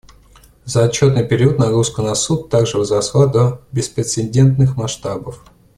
За отчетный период нагрузка на Суд также возросла до беспрецедентных масштабов.